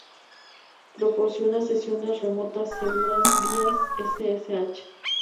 Proporciona sesiones remotas seguras vía ssh.